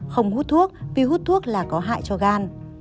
không hút thuốc vì hút thuốc là có hại cho gan